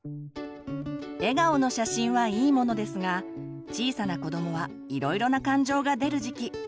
笑顔の写真はいいものですが小さな子どもはいろいろな感情が出る時期。